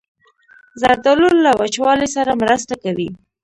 زردالو له وچوالي سره مرسته کوي.